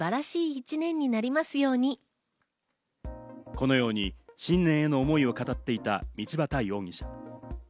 このように新年への思いを語っていた、道端容疑者。